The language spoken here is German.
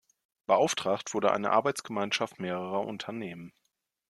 Beauftragt wurde eine Arbeitsgemeinschaft mehrerer Unternehmen.